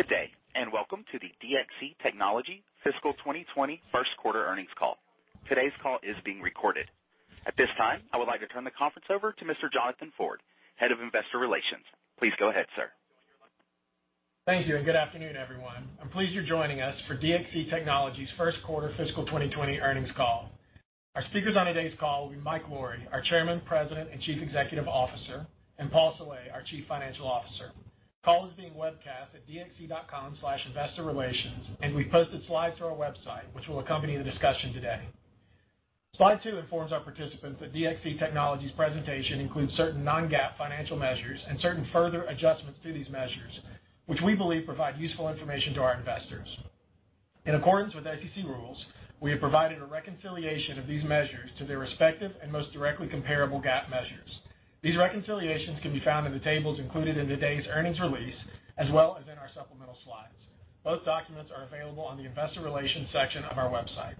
Good day, and welcome to the DXC Technology Fiscal 2020 first quarter earnings call. Today's call is being recorded. At this time, I would like to turn the conference over to Mr. Jonathan Ford, Head of Investor Relations. Please go ahead, sir. Thank you, and good afternoon, everyone. I'm pleased you're joining us for DXC Technology's first quarter fiscal 2020 earnings call. Our speakers on today's call will be Mike Lawrie, our Chairman, President, and Chief Executive Officer, and Paul Saleh, our Chief Financial Officer. The call is being webcast at dxc.com/investorrelations, and we've posted slides to our website, which will accompany the discussion today. Slide two informs our participants that DXC Technology's presentation includes certain non-GAAP financial measures and certain further adjustments to these measures, which we believe provide useful information to our investors. In accordance with SEC rules, we have provided a reconciliation of these measures to their respective and most directly comparable GAAP measures. These reconciliations can be found in the tables included in today's earnings release, as well as in our supplemental slides. Both documents are available on the Investor Relations section of our website.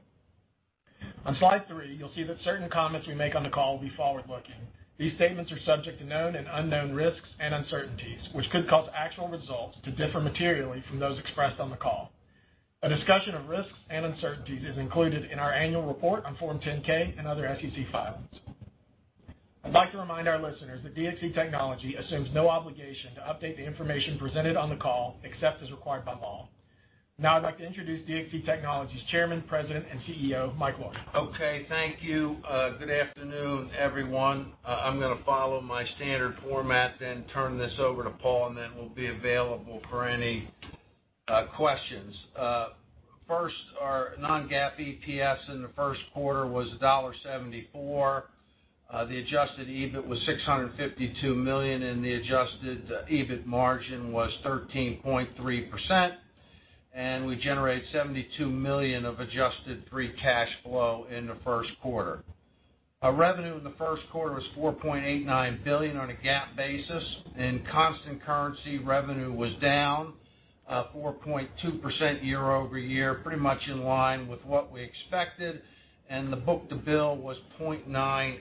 On Slide three, you'll see that certain comments we make on the call will be forward-looking. These statements are subject to known and unknown risks and uncertainties, which could cause actual results to differ materially from those expressed on the call. A discussion of risks and uncertainties is included in our annual report on Form 10-K and other SEC filings. I'd like to remind our listeners that DXC Technology assumes no obligation to update the information presented on the call except as required by law. Now, I'd like to introduce DXC Technology's Chairman, President, and CEO, Mike Lawrie. Okay, thank you. Good afternoon, everyone. I'm going to follow my standard format, then turn this over to Paul, and then we'll be available for any questions. First, our non-GAAP EPS in the first quarter was $1.74. The adjusted EBIT was $652 million, and the adjusted EBIT margin was 13.3%, and we generated $72 million of adjusted free cash flow in the first quarter. Our revenue in the first quarter was $4.89 billion on a GAAP basis, and constant currency revenue was down 4.2% year-over-year, pretty much in line with what we expected, and the book-to-bill was 0.9x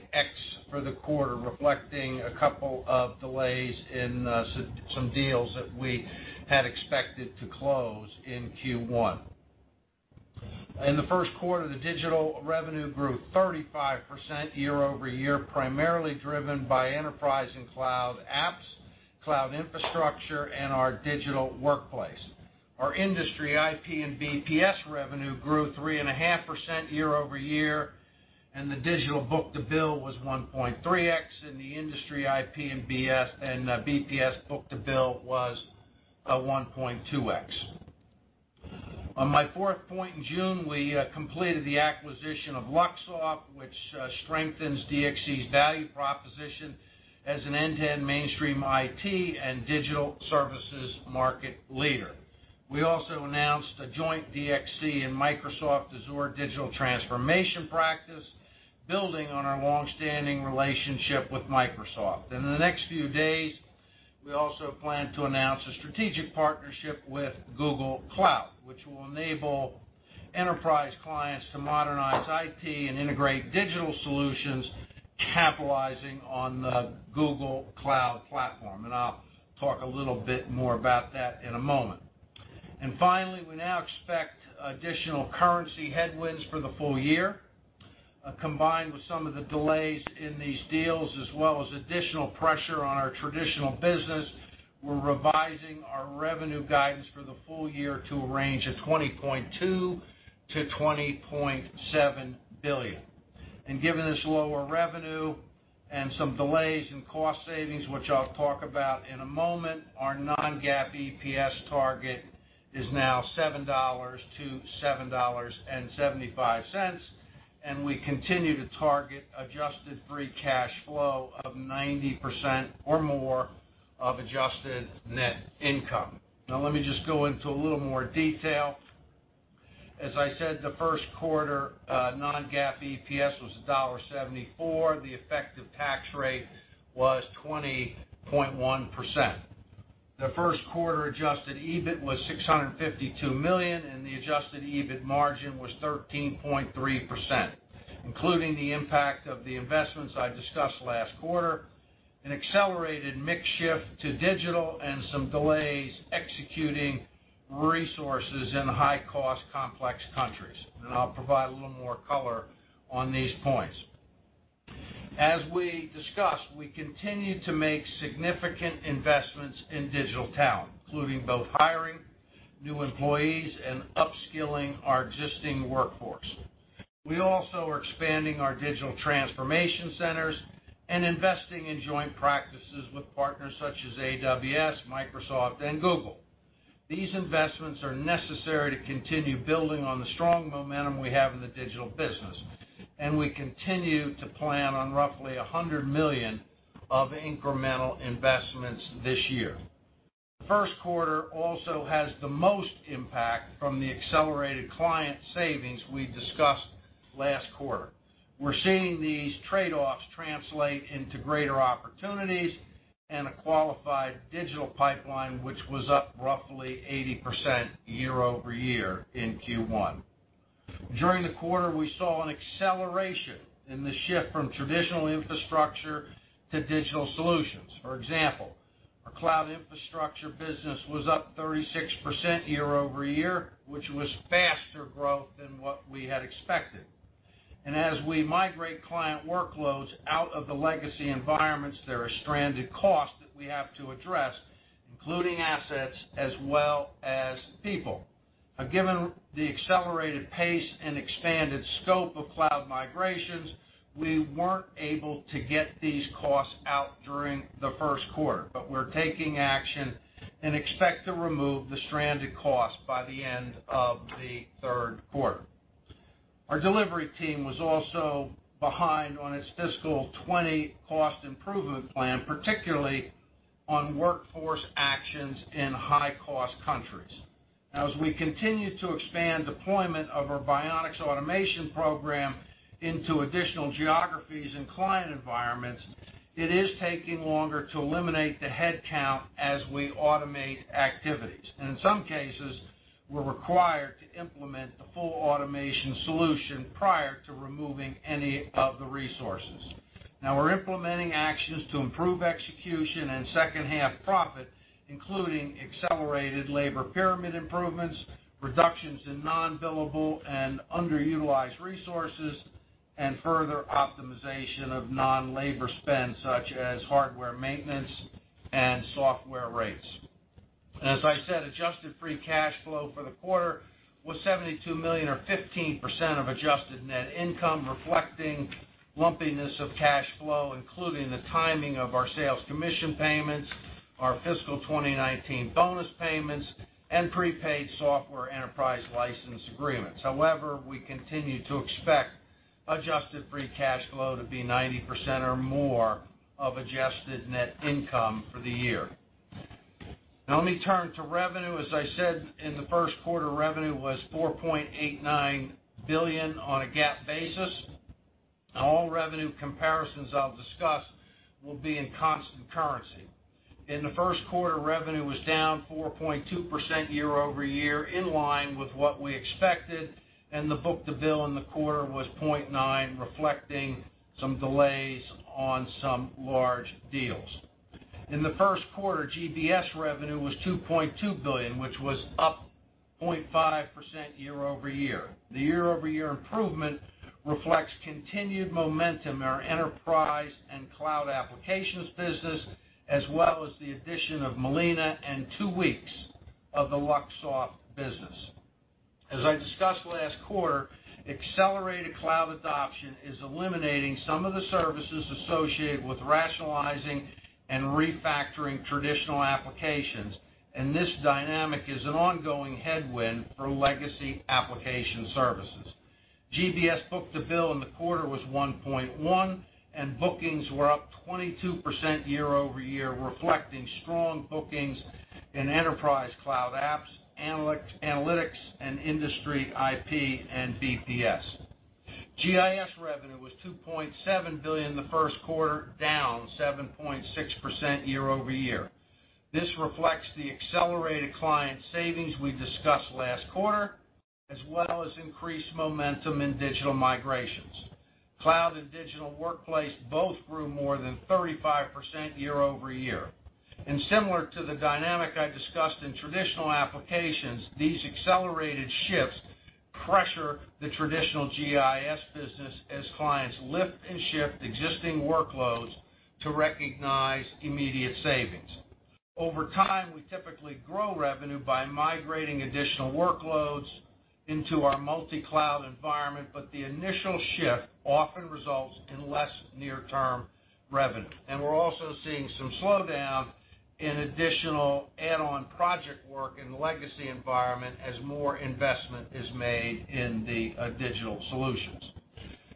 for the quarter, reflecting a couple of delays in some deals that we had expected to close in Q1. In the first quarter, the digital revenue grew 35% year-over-year, primarily driven by enterprise and cloud apps, cloud infrastructure, and our digital workplace. Our industry IP and BPS revenue grew 3.5% year-over-year, and the digital book-to-bill was 1.3x, and the industry IP and BPS book-to-bill was 1.2x. On my fourth point, in June, we completed the acquisition of Luxoft, which strengthens DXC's value proposition as an end-to-end mainstream IT and digital services market leader. We also announced a joint DXC and Microsoft Azure digital transformation practice, building on our longstanding relationship with Microsoft. In the next few days, we also plan to announce a strategic partnership with Google Cloud, which will enable enterprise clients to modernize IT and integrate digital solutions, capitalizing on the Google Cloud Platform, and I'll talk a little bit more about that in a moment, and finally, we now expect additional currency headwinds for the full year. Combined with some of the delays in these deals, as well as additional pressure on our traditional business, we're revising our revenue guidance for the full year to a range of $20.2-$20.7 billion. And given this lower revenue and some delays in cost savings, which I'll talk about in a moment, our non-GAAP EPS target is now $7-$7.75, and we continue to target adjusted free cash flow of 90% or more of adjusted net income. Now, let me just go into a little more detail. As I said, the first quarter non-GAAP EPS was $1.74. The effective tax rate was 20.1%. The first quarter adjusted EBIT was $652 million, and the adjusted EBIT margin was 13.3%, including the impact of the investments I discussed last quarter, an accelerated mix shift to digital, and some delays executing resources in high-cost, complex countries. I'll provide a little more color on these points. As we discussed, we continue to make significant investments in digital talent, including both hiring new employees and upskilling our existing workforce. We also are expanding our Digital Transformation Centers and investing in joint practices with partners such as AWS, Microsoft, and Google. These investments are necessary to continue building on the strong momentum we have in the digital business, and we continue to plan on roughly $100 million of incremental investments this year. The first quarter also has the most impact from the accelerated client savings we discussed last quarter. We're seeing these trade-offs translate into greater opportunities and a qualified digital pipeline, which was up roughly 80% year-over-year in Q1. During the quarter, we saw an acceleration in the shift from traditional infrastructure to digital solutions. For example, our cloud infrastructure business was up 36% year-over-year, which was faster growth than what we had expected, and as we migrate client workloads out of the legacy environments, there are stranded costs that we have to address, including assets as well as people. Given the accelerated pace and expanded scope of cloud migrations, we weren't able to get these costs out during the first quarter, but we're taking action and expect to remove the stranded costs by the end of the third quarter. Our delivery team was also behind on its fiscal 2020 cost improvement plan, particularly on workforce actions in high-cost countries. Now, as we continue to expand deployment of our Bionix Automation Program into additional geographies and client environments, it is taking longer to eliminate the headcount as we automate activities. In some cases, we're required to implement the full automation solution prior to removing any of the resources. Now, we're implementing actions to improve execution and second-half profit, including accelerated labor pyramid improvements, reductions in non-billable and underutilized resources, and further optimization of non-labor spend, such as hardware maintenance and software rates. As I said, adjusted free cash flow for the quarter was $72 million, or 15% of adjusted net income, reflecting lumpiness of cash flow, including the timing of our sales commission payments, our fiscal 2019 bonus payments, and prepaid software enterprise license agreements. However, we continue to expect adjusted free cash flow to be 90% or more of adjusted net income for the year. Now, let me turn to revenue. As I said, in the first quarter, revenue was $4.89 billion on a GAAP basis. Now, all revenue comparisons I'll discuss will be in constant currency. In the first quarter, revenue was down 4.2% year-over-year, in line with what we expected, and the book-to-bill in the quarter was 0.9, reflecting some delays on some large deals. In the first quarter, GBS revenue was $2.2 billion, which was up 0.5% year-over-year. The year-over-year improvement reflects continued momentum in our enterprise and cloud applications business, as well as the addition of Molina and two weeks of the Luxoft business. As I discussed last quarter, accelerated cloud adoption is eliminating some of the services associated with rationalizing and refactoring traditional applications, and this dynamic is an ongoing headwind for legacy application services. GBS book-to-bill in the quarter was 1.1, and bookings were up 22% year-over-year, reflecting strong bookings in enterprise cloud apps, analytics, and industry IP and BPS. GIS revenue was $2.7 billion in the first quarter, down 7.6% year-over-year. This reflects the accelerated client savings we discussed last quarter, as well as increased momentum in digital migrations. Cloud and digital workplace both grew more than 35% year-over-year. And similar to the dynamic I discussed in traditional applications, these accelerated shifts pressure the traditional GIS business as clients lift and shift existing workloads to recognize immediate savings. Over time, we typically grow revenue by migrating additional workloads into our multi-cloud environment, but the initial shift often results in less near-term revenue. And we're also seeing some slowdown in additional add-on project work in the legacy environment as more investment is made in the digital solutions.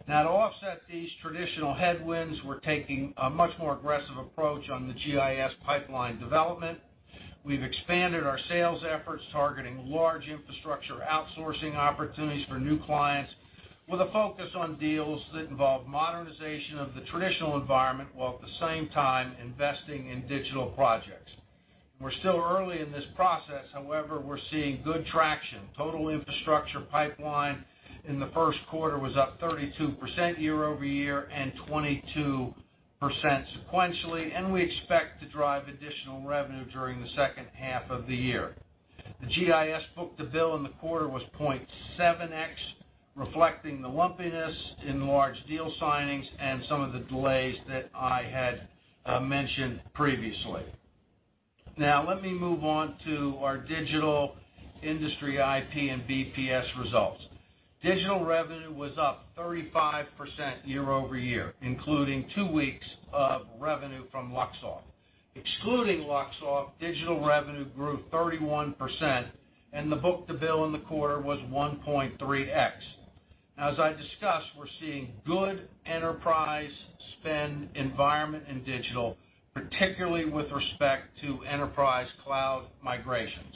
Now, to offset these traditional headwinds, we're taking a much more aggressive approach on the GIS pipeline development. We've expanded our sales efforts, targeting large infrastructure outsourcing opportunities for new clients, with a focus on deals that involve modernization of the traditional environment while at the same time investing in digital projects. We're still early in this process, however, we're seeing good traction. Total infrastructure pipeline in the first quarter was up 32% year-over-year and 22% sequentially, and we expect to drive additional revenue during the second half of the year. The GIS book-to-bill in the quarter was 0.7x, reflecting the lumpiness in large deal signings and some of the delays that I had mentioned previously. Now, let me move on to our digital industry IP and BPS results. Digital revenue was up 35% year over year, including two weeks of revenue from Luxoft. Excluding Luxoft, digital revenue grew 31%, and the book-to-bill in the quarter was 1.3x. Now, as I discussed, we're seeing good enterprise spend environment in digital, particularly with respect to enterprise cloud migrations.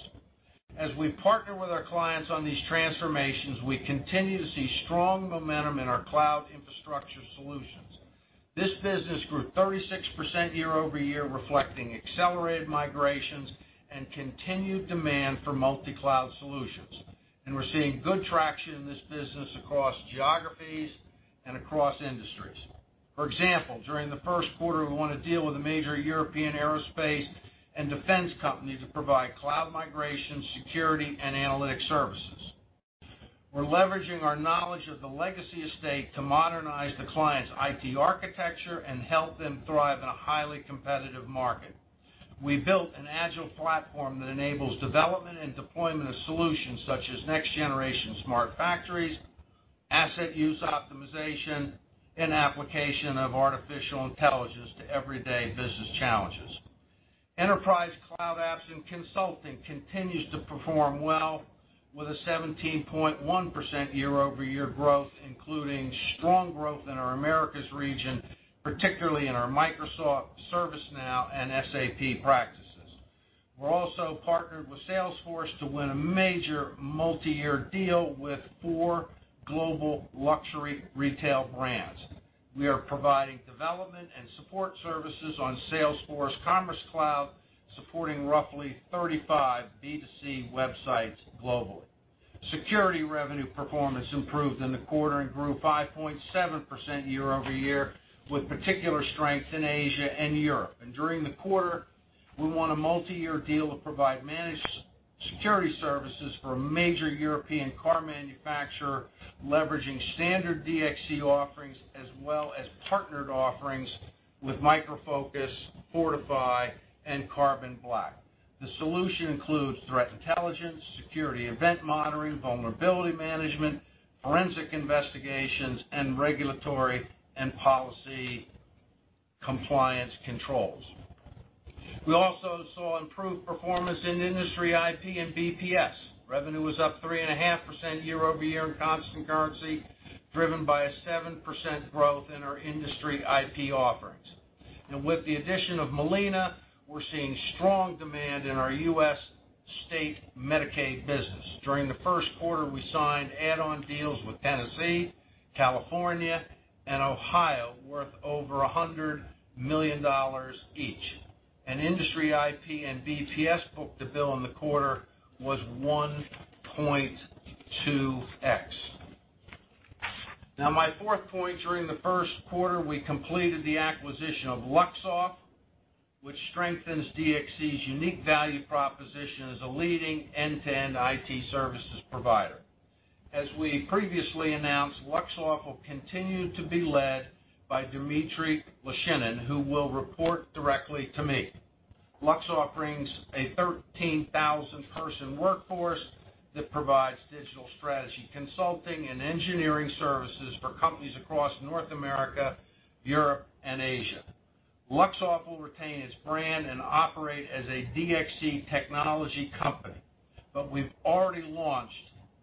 As we partner with our clients on these transformations, we continue to see strong momentum in our cloud infrastructure solutions. This business grew 36% year-over-year, reflecting accelerated migrations and continued demand for multi-cloud solutions. And we're seeing good traction in this business across geographies and across industries. For example, during the first quarter, we won a deal with a major European aerospace and defense company to provide cloud migration, security, and analytics services. We're leveraging our knowledge of the legacy estate to modernize the client's IT architecture and help them thrive in a highly competitive market. We built an agile platform that enables development and deployment of solutions such as next-generation smart factories, asset use optimization, and application of artificial intelligence to everyday business challenges. Enterprise cloud apps and consulting continues to perform well, with a 17.1% year-over-year growth, including strong growth in our Americas region, particularly in our Microsoft, ServiceNow and SAP practices. We're also partnered with Salesforce to win a major multi-year deal with four global luxury retail brands. We are providing development and support services on Salesforce Commerce Cloud, supporting roughly 35 B2C websites globally. Security revenue performance improved in the quarter and grew 5.7% year-over-year, with particular strength in Asia and Europe, and during the quarter, we won a multi-year deal to provide managed security services for a major European car manufacturer, leveraging standard DXC offerings as well as partnered offerings with Micro Focus, Fortify, and Carbon Black. The solution includes threat intelligence, security event monitoring, vulnerability management, forensic investigations, and regulatory and policy compliance controls. We also saw improved performance in industry IP and BPS. Revenue was up 3.5% year-over-year in constant currency, driven by a 7% growth in our industry IP offerings, and with the addition of Molina, we're seeing strong demand in our U.S. state Medicaid business. During the first quarter, we signed add-on deals with Tennessee, California, and Ohio, worth over $100 million each, and industry IP and BPS book-to-bill in the quarter was 1.2x. Now, my fourth point: during the first quarter, we completed the acquisition of Luxoft, which strengthens DXC's unique value proposition as a leading end-to-end IT services provider. As we previously announced, Luxoft will continue to be led by Dmitry Loschinin, who will report directly to me. Luxoft brings a 13,000-person workforce that provides digital strategy consulting and engineering services for companies across North America, Europe, and Asia. Luxoft will retain its brand and operate as a DXC Technology company, but we've already launched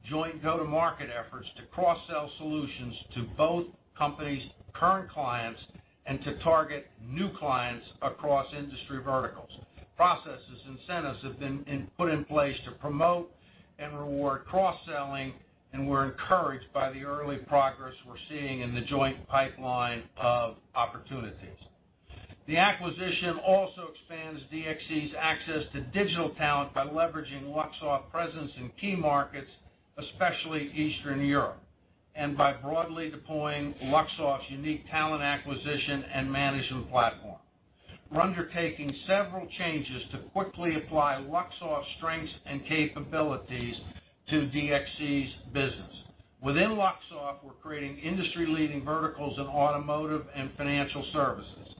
joint go-to-market efforts to cross-sell solutions to both companies' current clients and to target new clients across industry verticals. Processes and incentives have been put in place to promote and reward cross-selling, and we're encouraged by the early progress we're seeing in the joint pipeline of opportunities. The acquisition also expands DXC's access to digital talent by leveraging Luxoft's presence in key markets, especially Eastern Europe, and by broadly deploying Luxoft's unique talent acquisition and management platform. We're undertaking several changes to quickly apply Luxoft's strengths and capabilities to DXC's business. Within Luxoft, we're creating industry-leading verticals in automotive and financial services.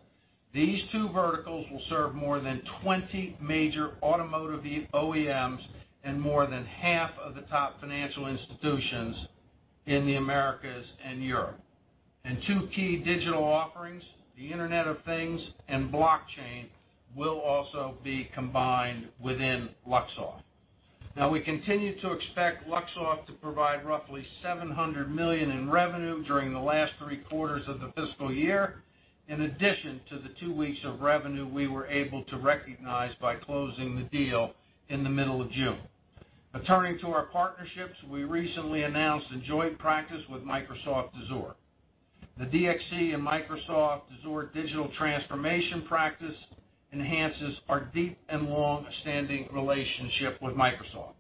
These two verticals will serve more than 20 major automotive OEMs and more than half of the top financial institutions in the Americas and Europe. And two key digital offerings, the Internet of Things and blockchain, will also be combined within Luxoft. Now, we continue to expect Luxoft to provide roughly $700 million in revenue during the last three quarters of the fiscal year, in addition to the two weeks of revenue we were able to recognize by closing the deal in the middle of June. Returning to our partnerships, we recently announced a joint practice with Microsoft Azure. The DXC and Microsoft Azure digital transformation practice enhances our deep and long-standing relationship with Microsoft.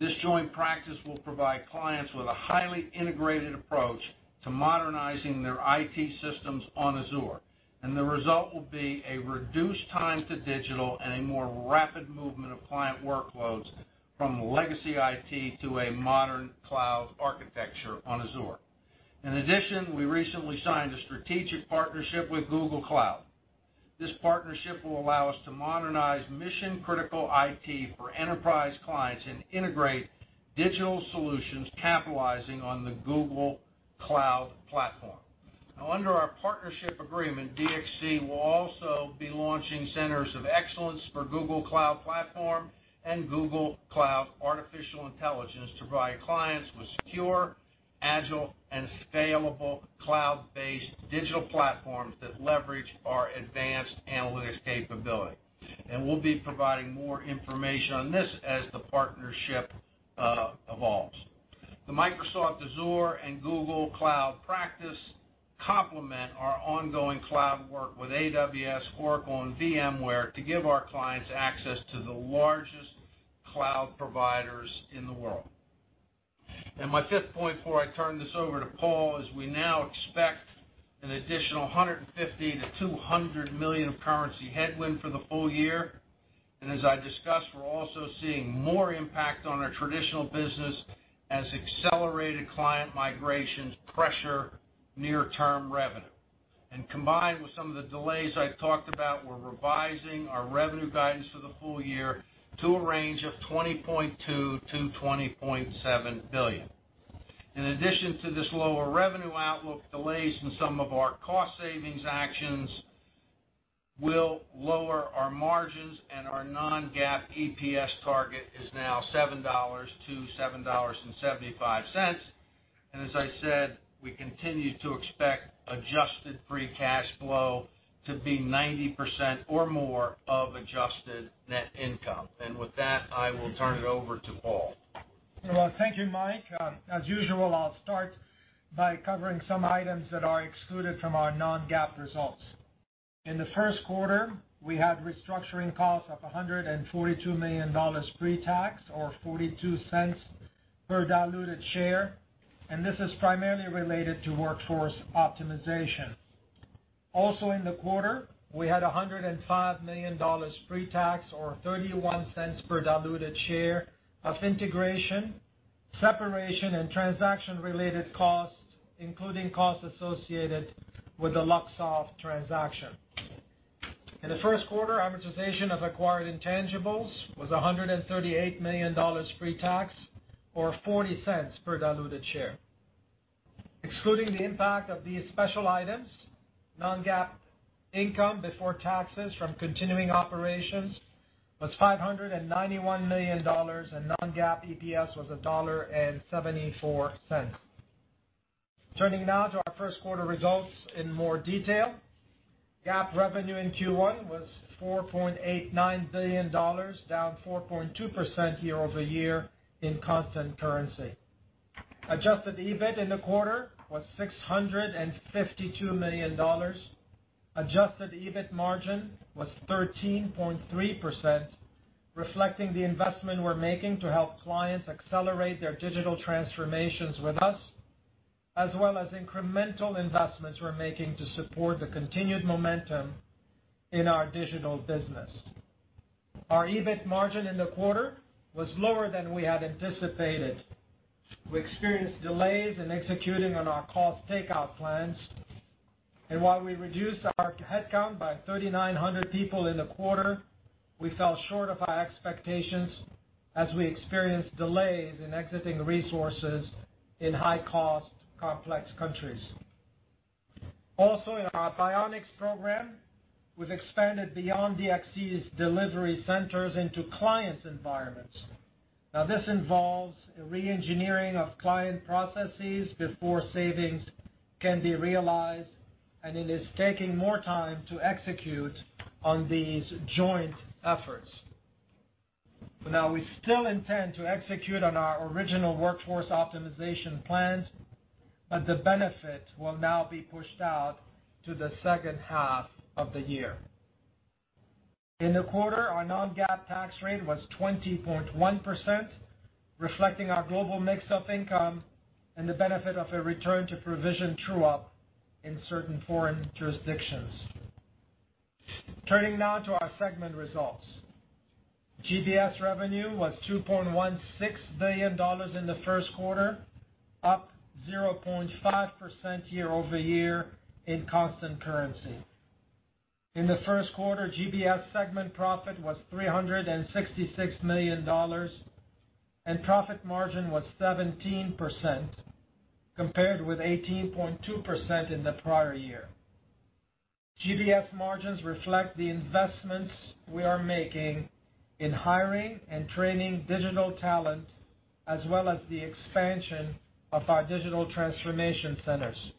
This joint practice will provide clients with a highly integrated approach to modernizing their IT systems on Azure, and the result will be a reduced time to digital and a more rapid movement of client workloads from legacy IT to a modern cloud architecture on Azure. In addition, we recently signed a strategic partnership with Google Cloud. This partnership will allow us to modernize mission-critical IT for enterprise clients and integrate digital solutions capitalizing on the Google Cloud Platform. Now, under our partnership agreement, DXC will also be launching Centers of Excellence for Google Cloud Platform and Google Cloud Artificial Intelligence to provide clients with secure, agile, and scalable cloud-based digital platforms that leverage our advanced analytics capability. And we'll be providing more information on this as the partnership evolves. The Microsoft Azure and Google Cloud practice complement our ongoing cloud work with AWS, Oracle, and VMware to give our clients access to the largest cloud providers in the world. And my fifth point before I turn this over to Paul is we now expect an additional $150-$200 million in currency headwind for the full year. As I discussed, we're also seeing more impact on our traditional business as accelerated client migrations pressure near-term revenue. Combined with some of the delays I talked about, we're revising our revenue guidance for the full year to a range of $20.2-$20.7 billion. In addition to this lower revenue outlook, delays in some of our cost savings actions will lower our margins, and our non-GAAP EPS target is now $7-$7.75. As I said, we continue to expect adjusted free cash flow to be 90% or more of adjusted net income. With that, I will turn it over to Paul. Thank you, Mike. As usual, I'll start by covering some items that are excluded from our non-GAAP results. In the first quarter, we had restructuring costs of $142 million pre-tax or $0.42 per diluted share, and this is primarily related to workforce optimization. Also, in the quarter, we had $105 million pre-tax or $0.31 per diluted share of integration, separation, and transaction-related costs, including costs associated with the Luxoft transaction. In the first quarter, amortization of acquired intangibles was $138 million pre-tax or $0.40 per diluted share. Excluding the impact of these special items, non-GAAP income before taxes from continuing operations was $591 million, and non-GAAP EPS was $1.74. Turning now to our first quarter results in more detail, GAAP revenue in Q1 was $4.89 billion, down 4.2% year-over-year in constant currency. Adjusted EBIT in the quarter was $652 million. Adjusted EBIT margin was 13.3%, reflecting the investment we're making to help clients accelerate their digital transformations with us, as well as incremental investments we're making to support the continued momentum in our digital business. Our EBIT margin in the quarter was lower than we had anticipated. We experienced delays in executing on our cost takeout plans, and while we reduced our headcount by 3,900 people in the quarter, we fell short of our expectations as we experienced delays in exiting resources in high-cost, complex countries. Also, in our Bionix program, we've expanded beyond DXC's delivery centers into clients' environments. Now, this involves a re-engineering of client processes before savings can be realized, and it is taking more time to execute on these joint efforts. Now, we still intend to execute on our original workforce optimization plans, but the benefit will now be pushed out to the second half of the year. In the quarter, our non-GAAP tax rate was 20.1%, reflecting our global mix of income and the benefit of a return-to-provision true-up in certain foreign jurisdictions. Turning now to our segment results, GBS revenue was $2.16 billion in the first quarter, up 0.5% year-over-year in constant currency. In the first quarter, GBS segment profit was $366 million, and profit margin was 17%, compared with 18.2% in the prior year. GBS margins reflect the investments we are making in hiring and training digital talent, as well as the expansion of our digital transformation centers.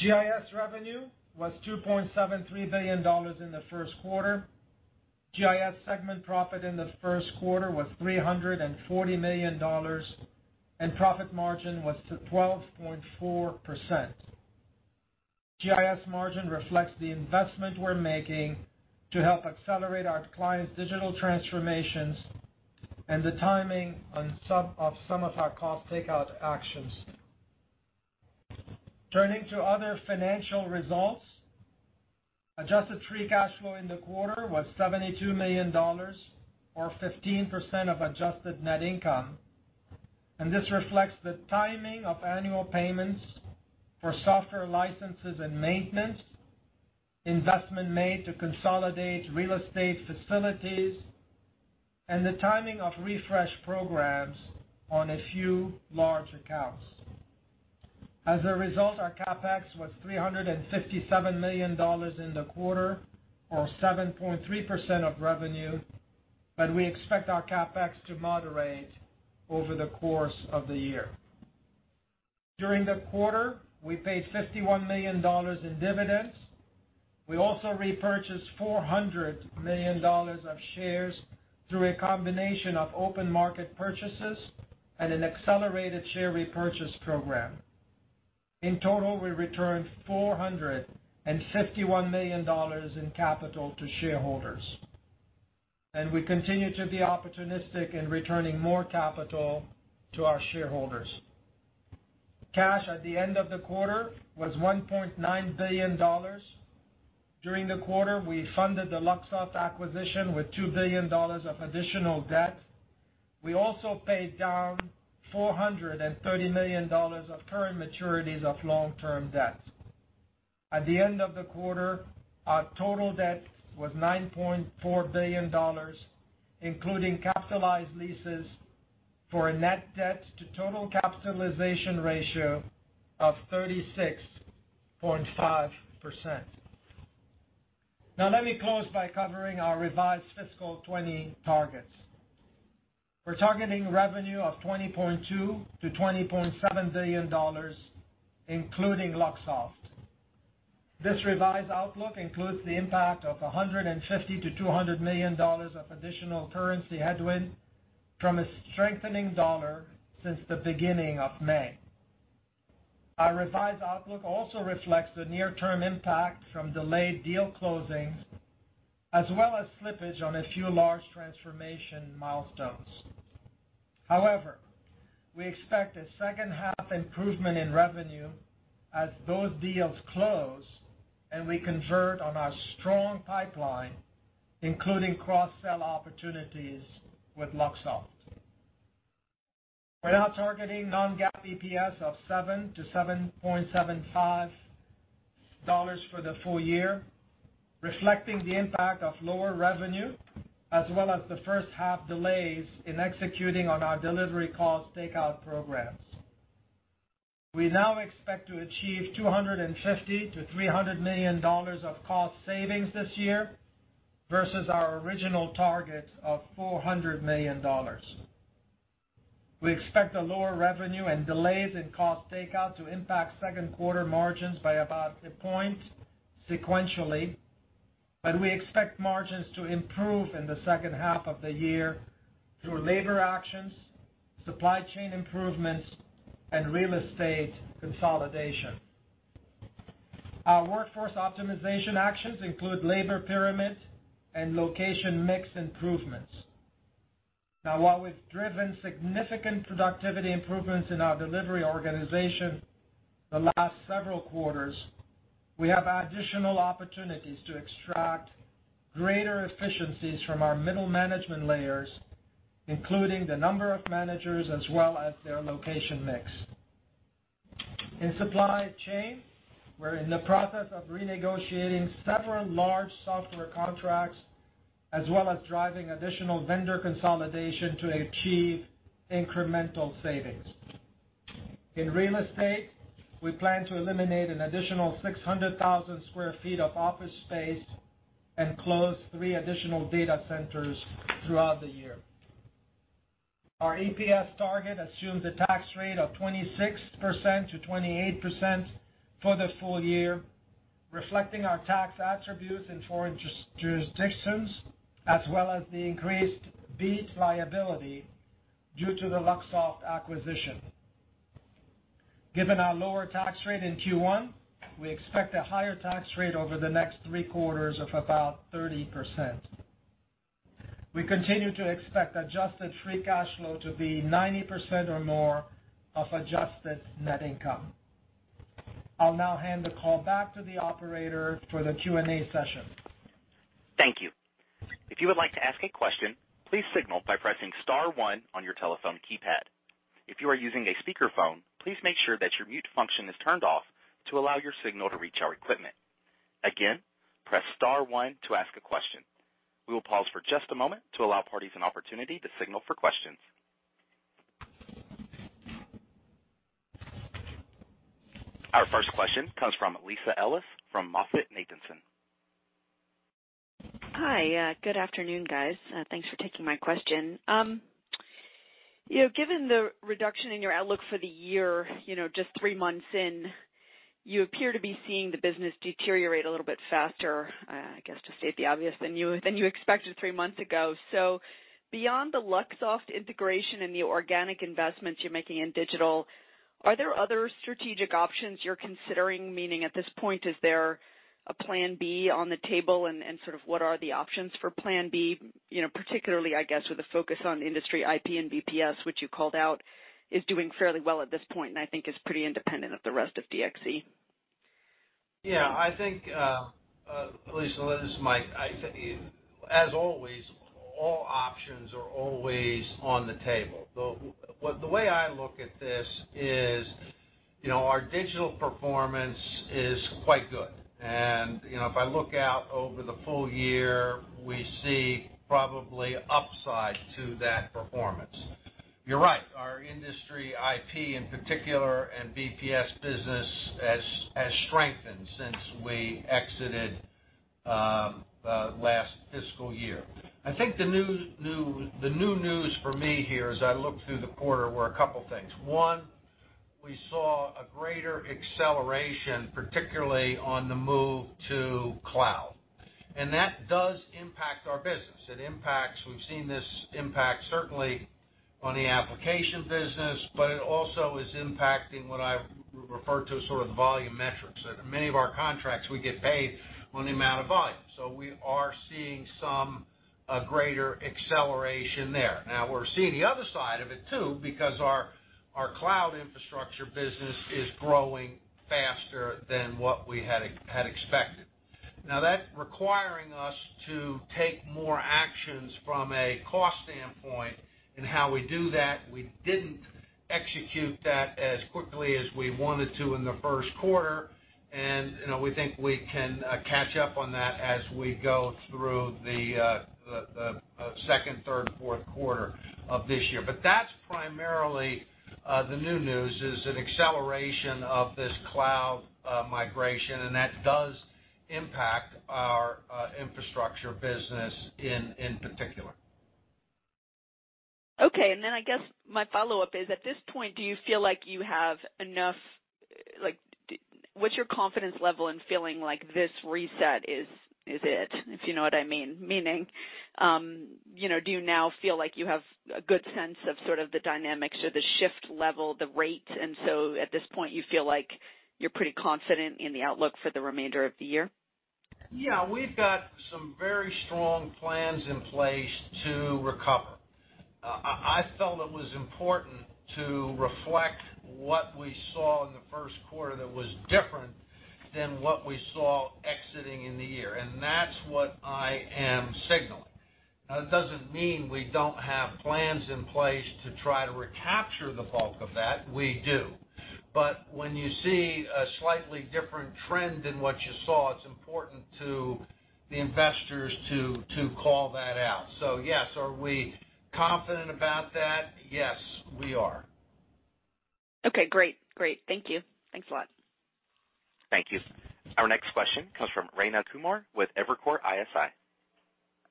GIS revenue was $2.73 billion in the first quarter. GIS segment profit in the first quarter was $340 million, and profit margin was 12.4%. GIS margin reflects the investment we're making to help accelerate our clients' digital transformations and the timing of some of our cost takeout actions. Turning to other financial results, adjusted free cash flow in the quarter was $72 million or 15% of adjusted net income, and this reflects the timing of annual payments for software licenses and maintenance, investment made to consolidate real estate facilities, and the timing of refresh programs on a few large accounts. As a result, our CapEx was $357 million in the quarter, or 7.3% of revenue, but we expect our CapEx to moderate over the course of the year. During the quarter, we paid $51 million in dividends. We also repurchased $400 million of shares through a combination of open market purchases and an accelerated share repurchase program. In total, we returned $451 million in capital to shareholders, and we continue to be opportunistic in returning more capital to our shareholders. Cash at the end of the quarter was $1.9 billion. During the quarter, we funded the Luxoft acquisition with $2 billion of additional debt. We also paid down $430 million of current maturities of long-term debt. At the end of the quarter, our total debt was $9.4 billion, including capitalized leases, for a net debt-to-total capitalization ratio of 36.5%. Now, let me close by covering our revised fiscal 2020 targets. We're targeting revenue of $20.2-$20.7 billion, including Luxoft. This revised outlook includes the impact of $150-$200 million of additional currency headwind from a strengthening dollar since the beginning of May. Our revised outlook also reflects the near-term impact from delayed deal closings, as well as slippage on a few large transformation milestones. However, we expect a second-half improvement in revenue as those deals close and we convert on our strong pipeline, including cross-sell opportunities with Luxoft. We're now targeting non-GAAP EPS of $7-$7.75 for the full year, reflecting the impact of lower revenue, as well as the first-half delays in executing on our delivery cost takeout programs. We now expect to achieve $250-$300 million of cost savings this year versus our original target of $400 million. We expect the lower revenue and delays in cost takeout to impact second-quarter margins by about a point sequentially, but we expect margins to improve in the second half of the year through labor actions, supply chain improvements, and real estate consolidation. Our workforce optimization actions include labor pyramid and location mix improvements. Now, while we've driven significant productivity improvements in our delivery organization the last several quarters, we have additional opportunities to extract greater efficiencies from our middle management layers, including the number of managers as well as their location mix. In supply chain, we're in the process of renegotiating several large software contracts, as well as driving additional vendor consolidation to achieve incremental savings. In real estate, we plan to eliminate an additional 600,000 sq ft of office space and close three additional data centers throughout the year. Our EPS target assumes a tax rate of 26%-28% for the full year, reflecting our tax attributes in foreign jurisdictions, as well as the increased BEAT liability due to the Luxoft acquisition. Given our lower tax rate in Q1, we expect a higher tax rate over the next three quarters of about 30%. We continue to expect adjusted free cash flow to be 90% or more of adjusted net income. I'll now hand the call back to the operator for the Q&A session. Thank you. If you would like to ask a question, please signal by pressing star one on your telephone keypad. If you are using a speakerphone, please make sure that your mute function is turned off to allow your signal to reach our equipment. Again, press star one to ask a question. We will pause for just a moment to allow parties an opportunity to signal for questions. Our first question comes from Lisa Ellis from MoffettNathanson. Hi. Good afternoon, guys. Thanks for taking my question. Given the reduction in your outlook for the year, just three months in, you appear to be seeing the business deteriorate a little bit faster, I guess to state the obvious, than you expected three months ago. So beyond the Luxoft integration and the organic investments you're making in digital, are there other strategic options you're considering? Meaning, at this point, is there a plan B on the table, and sort of what are the options for plan B, particularly, I guess, with a focus on industry IP and BPS, which you called out is doing fairly well at this point and I think is pretty independent of the rest of DXC? Yeah. I think, at least this is Mike. As always, all options are always on the table. The way I look at this is our digital performance is quite good. And if I look out over the full year, we see probably upside to that performance. You're right. Our industry IP in particular and BPS business has strengthened since we exited the last fiscal year. I think the new news for me here as I look through the quarter were a couple of things. One, we saw a greater acceleration, particularly on the move to cloud. And that does impact our business. We've seen this impact certainly on the application business, but it also is impacting what I refer to as sort of the volume metrics. Many of our contracts, we get paid on the amount of volume. So we are seeing some greater acceleration there. Now, we're seeing the other side of it too because our cloud infrastructure business is growing faster than what we had expected. Now, that's requiring us to take more actions from a cost standpoint. And how we do that, we didn't execute that as quickly as we wanted to in the first quarter. And we think we can catch up on that as we go through the second, third, and fourth quarter of this year. But that's primarily the new news is an acceleration of this cloud migration, and that does impact our infrastructure business in particular. Okay. And then I guess my follow-up is, at this point, do you feel like you have enough? What's your confidence level in feeling like this reset is it, if you know what I mean? Meaning, do you now feel like you have a good sense of sort of the dynamics or the shift level, the rate? And so at this point, you feel like you're pretty confident in the outlook for the remainder of the year? Yeah. We've got some very strong plans in place to recover. I felt it was important to reflect what we saw in the first quarter that was different than what we saw exiting in the year. And that's what I am signaling. Now, it doesn't mean we don't have plans in place to try to recapture the bulk of that. We do. But when you see a slightly different trend than what you saw, it's important to the investors to call that out. So yes, are we confident about that? Yes, we are. Okay. Great. Great. Thank you. Thanks a lot. Thank you. Our next question comes from Rayna Kumar with Evercore ISI.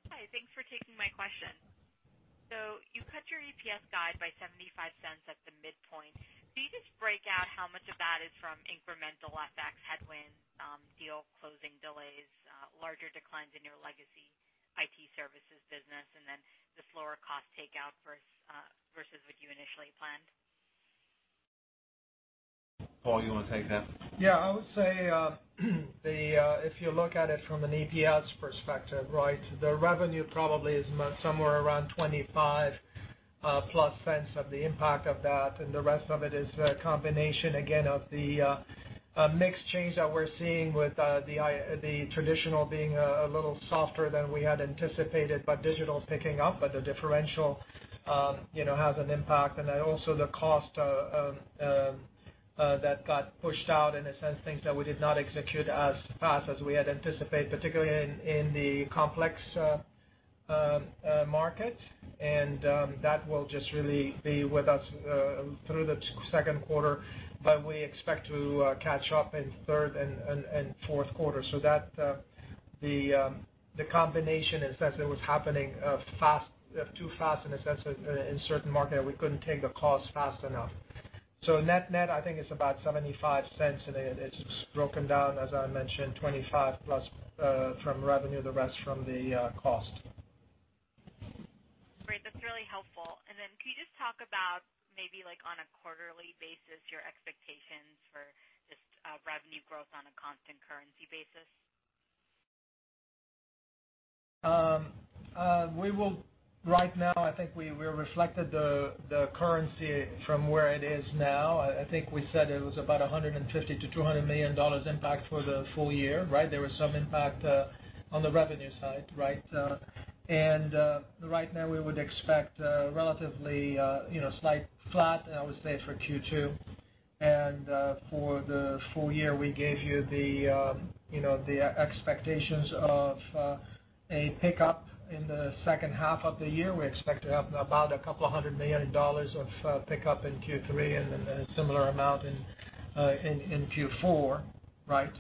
Hi. Thanks for taking my question. So you cut your EPS guide by $0.75 at the midpoint. Can you just break out how much of that is from incremental FX headwinds, deal closing delays, larger declines in your legacy IT services business, and then this lower cost takeout versus what you initially planned? Paul, you want to take that? Yeah. I would say if you look at it from an EPS perspective, right, the revenue probably is somewhere around $0.25 of the impact of that. And the rest of it is a combination, again, of the mixed change that we're seeing with the traditional being a little softer than we had anticipated, but digital picking up, but the differential has an impact. And then also the cost that got pushed out, in a sense, things that we did not execute as fast as we had anticipated, particularly in the complex market. And that will just really be with us through the second quarter, but we expect to catch up in third and fourth quarter. So the combination, in a sense, it was happening too fast, in a sense, in certain market, and we couldn't take the cost fast enough. So net net, I think it's about $0.75, and it's broken down, as I mentioned, $0.25 plus from revenue, the rest from the cost. Great. That's really helpful. And then can you just talk about maybe on a quarterly basis, your expectations for just revenue growth on a constant currency basis? Right now, I think we reflected the currency from where it is now. I think we said it was about $150-$200 million impact for the full year, right? There was some impact on the revenue side, right? And right now, we would expect relatively slight flat, I would say, for Q2. And for the full year, we gave you the expectations of a pickup in the second half of the year. We expect to have about $200 million of pickup in Q3 and a similar amount in Q4, right?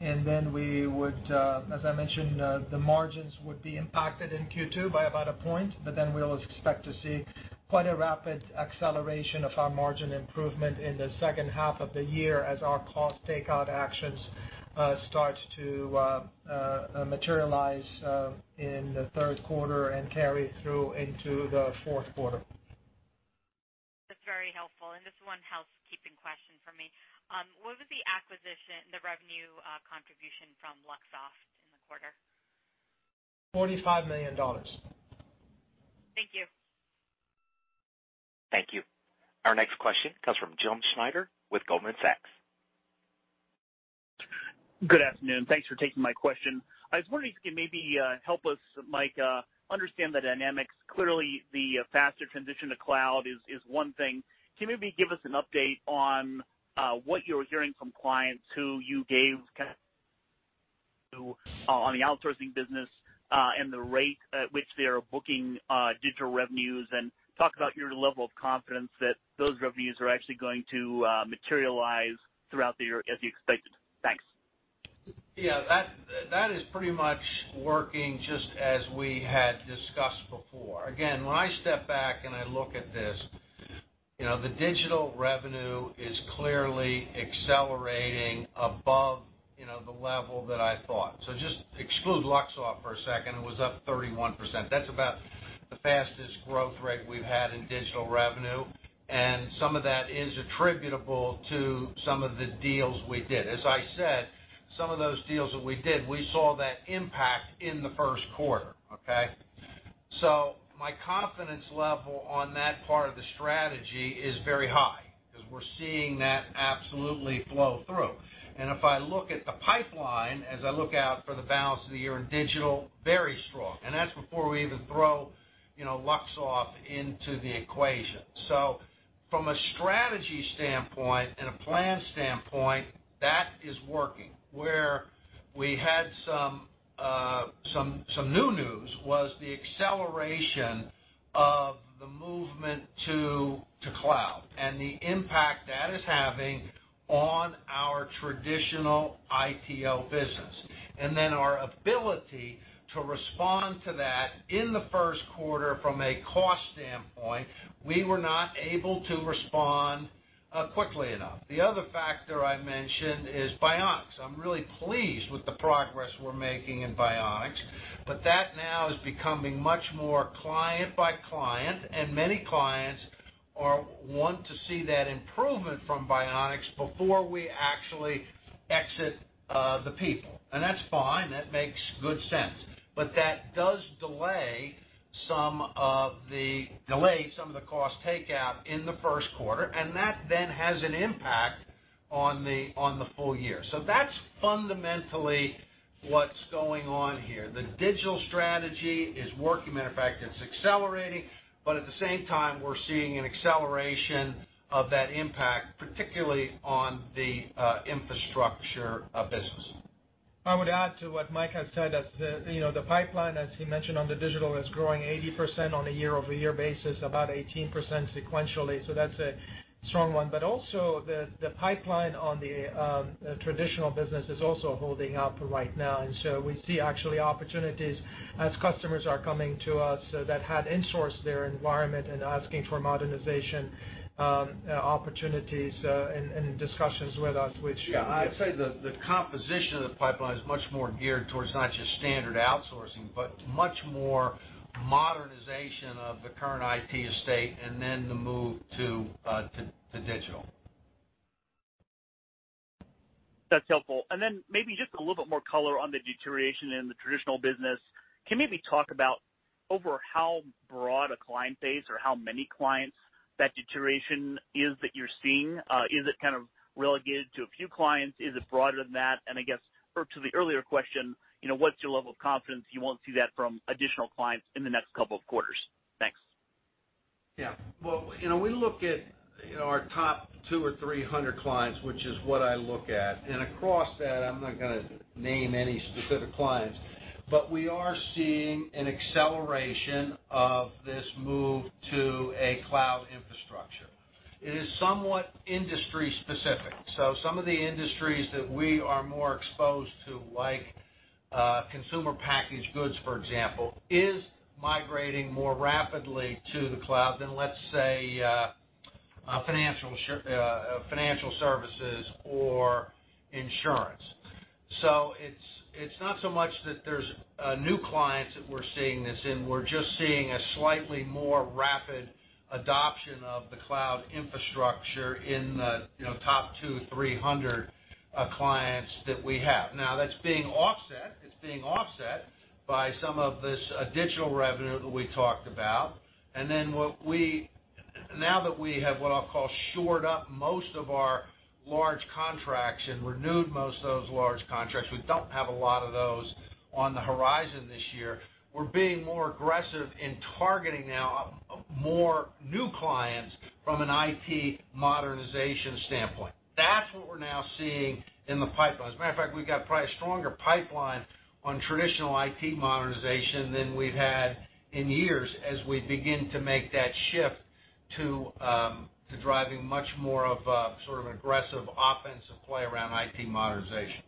Then we would, as I mentioned, the margins would be impacted in Q2 by about a point, but then we will expect to see quite a rapid acceleration of our margin improvement in the second half of the year as our cost takeout actions start to materialize in the third quarter and carry through into the fourth quarter. That's very helpful. This is one housekeeping question for me. What was the acquisition, the revenue contribution from Luxoft in the quarter? $45 million. Thank you. Thank you. Our next question comes from Jim Schneider with Goldman Sachs. Good afternoon. Thanks for taking my question. I was wondering if you could maybe help us, Mike, understand the dynamics. Clearly, the faster transition to cloud is one thing. Can you maybe give us an update on what you're hearing from clients you know on the outsourcing business and the rate at which they are booking digital revenues and talk about your level of confidence that those revenues are actually going to materialize throughout the year as you expected? Thanks. Yeah. That is pretty much working just as we had discussed before. Again, when I step back and I look at this, the digital revenue is clearly accelerating above the level that I thought. So just exclude Luxoft for a second. It was up 31%. That's about the fastest growth rate we've had in digital revenue. And some of that is attributable to some of the deals we did. As I said, some of those deals that we did, we saw that impact in the first quarter, okay? So my confidence level on that part of the strategy is very high because we're seeing that absolutely flow through. And if I look at the pipeline, as I look out for the balance of the year in digital, very strong. And that's before we even throw Luxoft into the equation. So from a strategy standpoint and a plan standpoint, that is working. Where we had some new news was the acceleration of the movement to cloud and the impact that is having on our traditional ITO business. And then our ability to respond to that in the first quarter from a cost standpoint, we were not able to respond quickly enough. The other factor I mentioned is Bionix. I'm really pleased with the progress we're making in Bionix, but that now is becoming much more client by client, and many clients want to see that improvement from Bionix before we actually exit the people, and that's fine. That makes good sense, but that does delay some of the cost takeout in the first quarter, and that then has an impact on the full year, so that's fundamentally what's going on here. The digital strategy is working. Matter of fact, it's accelerating, but at the same time, we're seeing an acceleration of that impact, particularly on the infrastructure business. I would add to what Mike has said, as the pipeline, as he mentioned on the digital, is growing 80% on a year-over-year basis, about 18% sequentially, so that's a strong one, but also, the pipeline on the traditional business is also holding up right now. And so we see actually opportunities as customers are coming to us that had insourced their environment and asking for modernization opportunities and discussions with us. Yeah. I'd say the composition of the pipeline is much more geared towards not just standard outsourcing, but much more modernization of the current IT estate and then the move to digital. That's helpful. And then maybe just a little bit more color on the deterioration in the traditional business. Can you maybe talk about over how broad a client base or how many clients that deterioration is that you're seeing? Is it kind of relegated to a few clients? Is it broader than that? And I guess, to the earlier question, what's your level of confidence you won't see that from additional clients in the next couple of quarters? Thanks. Yeah. We look at our top two or three hundred clients, which is what I look at, and across that, I'm not going to name any specific clients, but we are seeing an acceleration of this move to a cloud infrastructure. It is somewhat industry-specific, so some of the industries that we are more exposed to, like consumer packaged goods, for example, is migrating more rapidly to the cloud than, let's say, financial services or insurance, so it's not so much that there's new clients that we're seeing this in. We're just seeing a slightly more rapid adoption of the cloud infrastructure in the top two, three hundred clients that we have. Now, that's being offset. It's being offset by some of this digital revenue that we talked about. And then now that we have what I'll call shored up most of our large contracts and renewed most of those large contracts, we don't have a lot of those on the horizon this year. We're being more aggressive in targeting now more new clients from an IT modernization standpoint. That's what we're now seeing in the pipelines. As a matter of fact, we've got probably a stronger pipeline on traditional IT modernization than we've had in years as we begin to make that shift to driving much more of a sort of aggressive offensive play around IT modernization.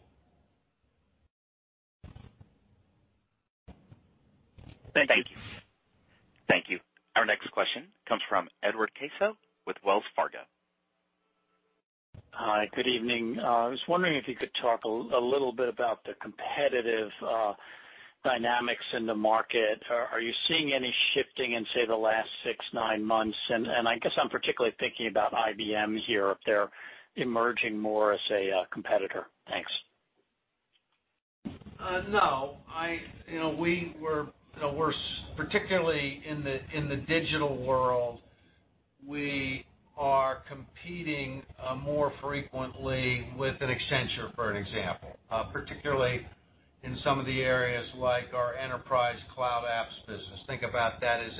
Thank you. Thank you. Our next question comes from Edward Caso with Wells Fargo. Hi. Good evening. I was wondering if you could talk a little bit about the competitive dynamics in the market. Are you seeing any shifting in, say, the last six, nine months? I guess I'm particularly thinking about IBM here, if they're emerging more as a competitor. Thanks. No. We're particularly in the digital world. We are competing more frequently with an Accenture, for an example, particularly in some of the areas like our enterprise cloud apps business. Think about that as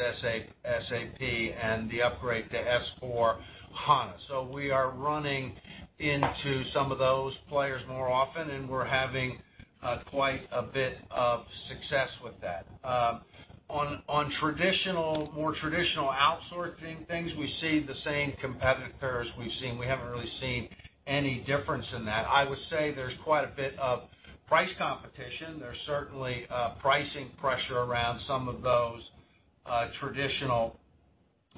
SAP and the upgrade to S/4HANA. So we are running into some of those players more often, and we're having quite a bit of success with that. On more traditional outsourcing things, we see the same competitors we've seen. We haven't really seen any difference in that. I would say there's quite a bit of price competition. There's certainly pricing pressure around some of those traditional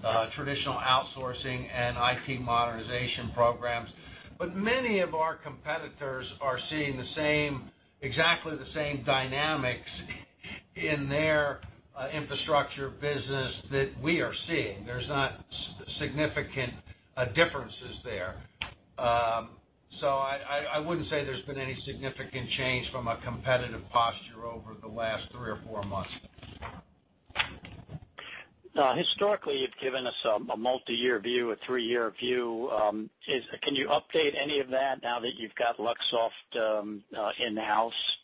outsourcing and IT modernization programs. But many of our competitors are seeing exactly the same dynamics in their infrastructure business that we are seeing. There's not significant differences there. So I wouldn't say there's been any significant change from a competitive posture over the last three or four months. Historically, you've given us a multi-year view, a three-year view. Can you update any of that now that you've got Luxoft in-house?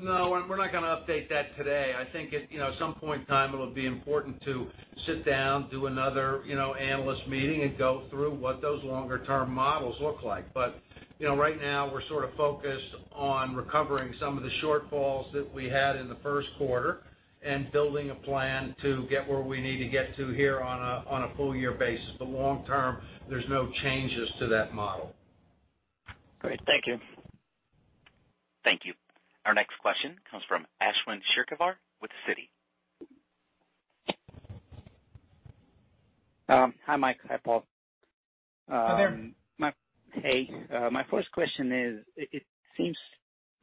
No. We're not going to update that today. I think at some point in time, it'll be important to sit down, do another analyst meeting, and go through what those longer-term models look like. But right now, we're sort of focused on recovering some of the shortfalls that we had in the first quarter and building a plan to get where we need to get to here on a full-year basis. But long-term, there's no changes to that model. Great. Thank you. Thank you. Our next question comes from Ashwin Shirvaikar with Citi. Hi, Mike. Hi, Paul. Hey. My first question is, it seems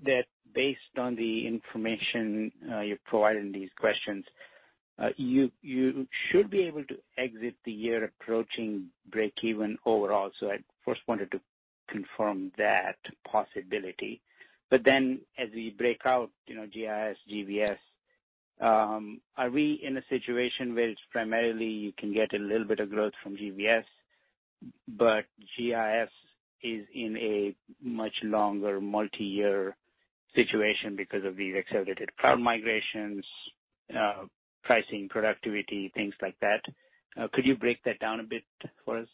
that based on the information you've provided in these questions, you should be able to exit the year approaching break-even overall. So I first wanted to confirm that possibility. But then as we break out GIS, GBS, are we in a situation where it's primarily you can get a little bit of growth from GBS, but GIS is in a much longer multi-year situation because of these accelerated cloud migrations, pricing, productivity, things like that? Could you break that down a bit for us?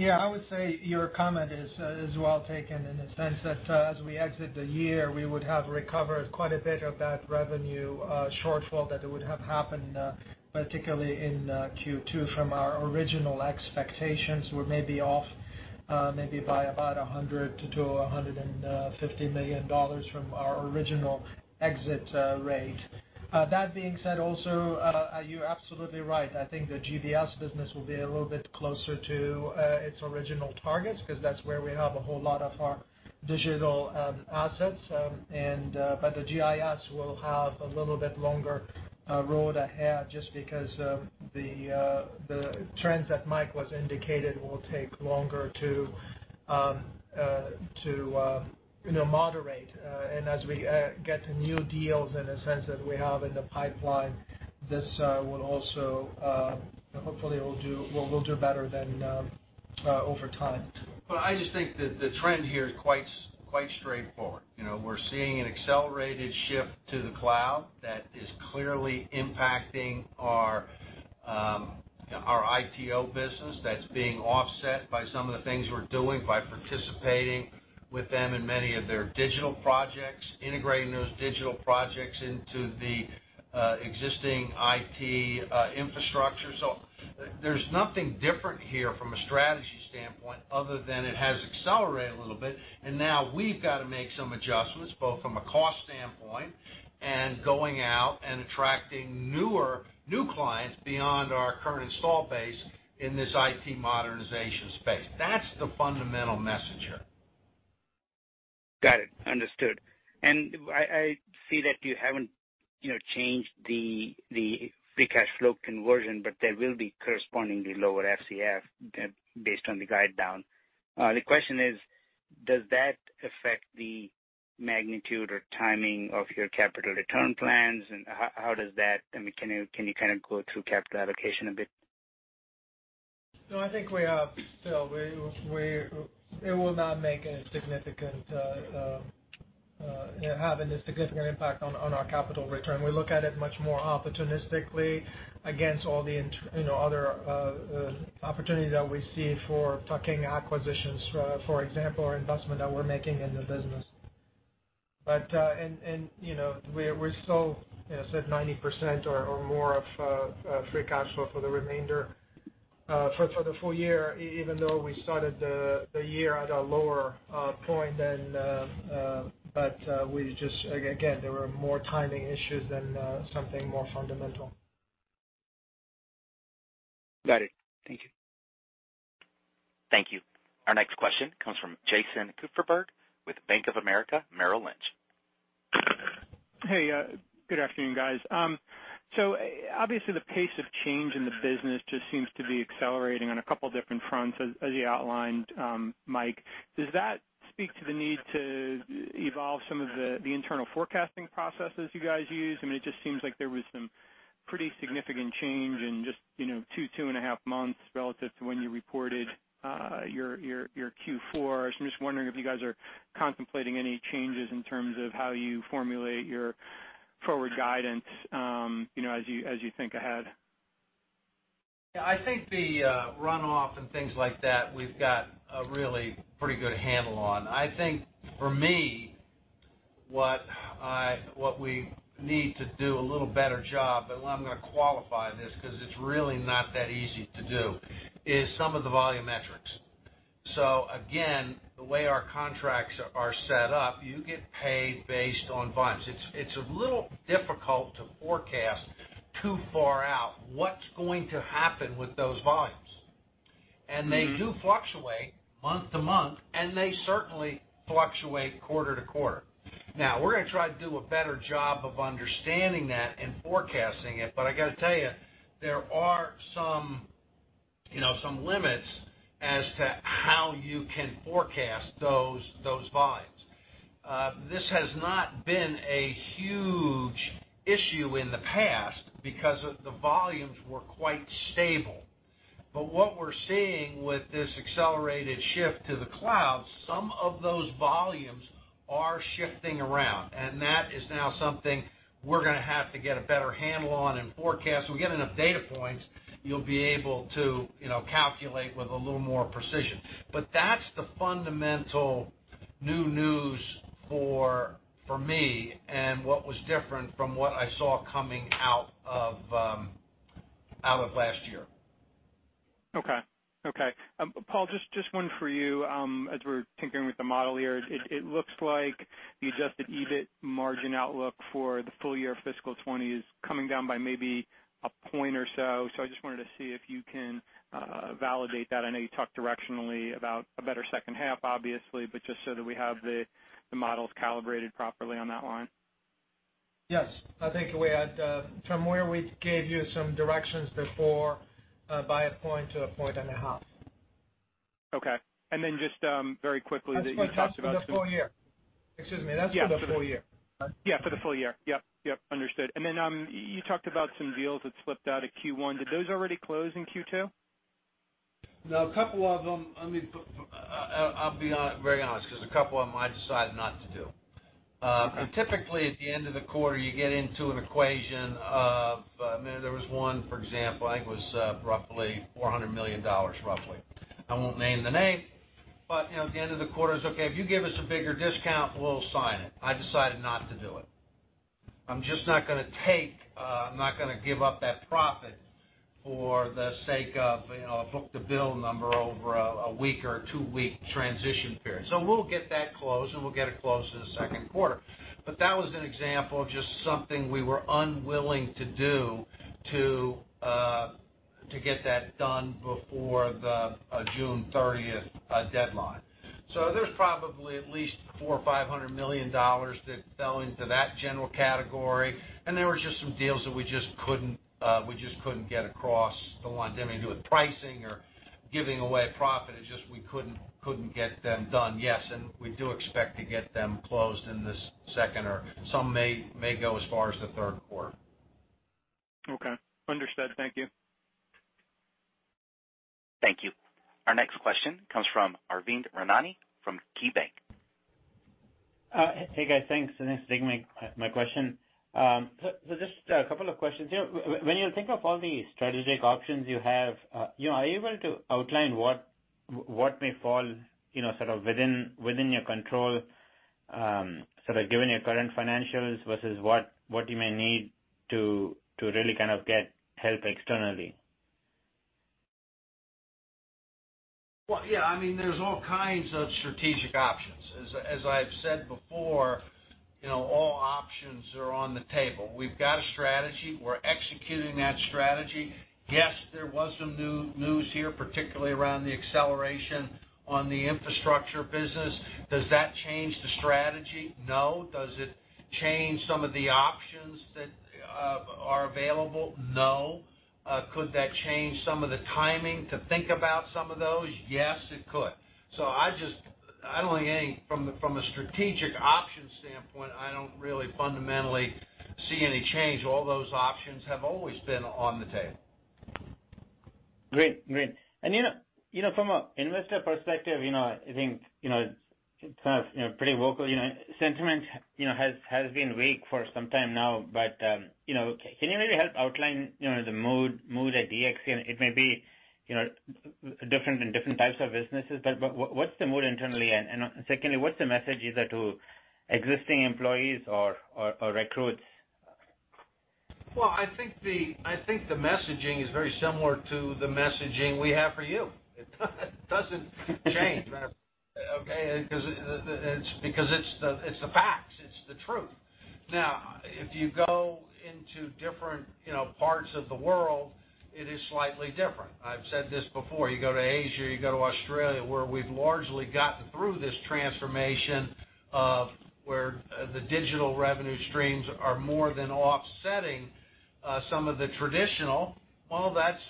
Yeah. I would say your comment is well taken in the sense that as we exit the year, we would have recovered quite a bit of that revenue shortfall that would have happened, particularly in Q2 from our original expectations, where maybe off, maybe by about $100-$150 million from our original exit rate. That being said, also, you're absolutely right. I think the GBS business will be a little bit closer to its original targets because that's where we have a whole lot of our digital assets. But the GIS will have a little bit longer road ahead just because the trends that Mike was indicating will take longer to moderate. And as we get new deals in the sense that we have in the pipeline, this will also, hopefully, we'll do better than over time. But I just think that the trend here is quite straightforward. We're seeing an accelerated shift to the cloud that is clearly impacting our ITO business that's being offset by some of the things we're doing by participating with them in many of their digital projects, integrating those digital projects into the existing IT infrastructure. So there's nothing different here from a strategy standpoint other than it has accelerated a little bit. And now we've got to make some adjustments both from a cost standpoint and going out and attracting new clients beyond our current install base in this IT modernization space. That's the fundamental message here. Got it. Understood. And I see that you haven't changed the free cash flow conversion, but there will be correspondingly lower FCF based on the guide down. The question is, does that affect the magnitude or timing of your capital return plans? And how does that, I mean, can you kind of go through capital allocation a bit? No, I think it will not have a significant impact on our capital return. We look at it much more opportunistically against all the other opportunities that we see for acquisitions, for example, or investment that we're making in the business. But we're still, as I said, 90% or more of free cash flow for the remainder for the full year, even though we started the year at a lower point. But again, there were more timing issues than something more fundamental. Got it. Thank you. Thank you. Our next question comes from Jason Kupferberg with Bank of America Merrill Lynch. Hey. Good afternoon, guys. So obviously, the pace of change in the business just seems to be accelerating on a couple of different fronts, as you outlined, Mike. Does that speak to the need to evolve some of the internal forecasting processes you guys use? I mean, it just seems like there was some pretty significant change in just two, two and a half months relative to when you reported your Q4. So I'm just wondering if you guys are contemplating any changes in terms of how you formulate your forward guidance as you think ahead. Yeah. I think the runoff and things like that, we've got a really pretty good handle on. I think for me, what we need to do a little better job (and I'm going to qualify this because it's really not that easy to do) is some of the volumetrics. So again, the way our contracts are set up, you get paid based on volumes. It's a little difficult to forecast too far out what's going to happen with those volumes. And they do fluctuate month to month, and they certainly fluctuate quarter to quarter. Now, we're going to try to do a better job of understanding that and forecasting it. But I got to tell you, there are some limits as to how you can forecast those volumes. This has not been a huge issue in the past because the volumes were quite stable. But what we're seeing with this accelerated shift to the cloud, some of those volumes are shifting around. And that is now something we're going to have to get a better handle on and forecast. We'll get enough data points. You'll be able to calculate with a little more precision. But that's the fundamental new news for me and what was different from what I saw coming out of last year. Okay. Okay. Paul, just one for you. As we're tinkering with the model here, it looks like the adjusted EBIT margin outlook for the full year of fiscal 2020 is coming down by maybe a point or so. So I just wanted to see if you can validate that. I know you talked directionally about a better second half, obviously, but just so that we have the models calibrated properly on that line. Yes. I think we had, from where we gave you some directions before, by a point to a point and a half. Okay. And then just very quickly, that you talked about some. That's for the full year. Excuse me. That's for the full year. Yeah. For the full year. Yep. Yep. Understood. And then you talked about some deals that slipped out of Q1. Did those already close in Q2? No. A couple of them. I mean, I'll be very honest because a couple of them I decided not to do. Typically, at the end of the quarter, you get into an equation of, I mean, there was one, for example, I think it was roughly $400 million, roughly. I won't name the name. At the end of the quarter, it's, "Okay. If you give us a bigger discount, we'll sign it." I decided not to do it. I'm just not going to take, I'm not going to give up that profit for the sake of a book-to-bill number over a week or a two-week transition period. We'll get that closed, and we'll get it closed in the second quarter. That was an example of just something we were unwilling to do to get that done before the June 30th deadline. So there's probably at least $400 million or $500 million that fell into that general category. And there were just some deals that we just couldn't get across the line. Didn't have to do with pricing or giving away profit. It's just we couldn't get them done. Yes. And we do expect to get them closed in this second quarter, or some may go as far as the third quarter. Okay. Understood. Thank you. Thank you. Our next question comes from Arvind Ramnani from KeyBanc. Hey, guys. Thanks. Thanks for taking my question. So just a couple of questions. When you think of all the strategic options you have, are you able to outline what may fall sort of within your control, sort of given your current financials versus what you may need to really kind of get help externally? Well, yeah. I mean, there's all kinds of strategic options. As I've said before, all options are on the table. We've got a strategy. We're executing that strategy. Yes, there was some news here, particularly around the acceleration on the infrastructure business. Does that change the strategy? No. Does it change some of the options that are available? No. Could that change some of the timing to think about some of those? Yes, it could. So I don't think any, from a strategic option standpoint, I don't really fundamentally see any change. All those options have always been on the table. Great. Great. And from an investor perspective, I think it's kind of pretty vocal. Sentiment has been weak for some time now. But can you maybe help outline the mood at DXC? It may be different in different types of businesses. But what's the mood internally? And secondly, what's the message either to existing employees or recruits? I think the messaging is very similar to the messaging we have for you. It doesn't change. Okay? Because it's the facts. It's the truth. Now, if you go into different parts of the world, it is slightly different. I've said this before. You go to Asia, you go to Australia, where we've largely gotten through this transformation where the digital revenue streams are more than offsetting some of the traditional. That's